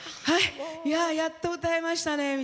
はいやっと歌えましたね。